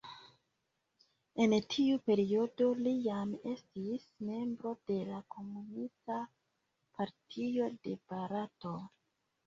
En tiu periodo li jam estis membro de la Komunista Partio de Barato.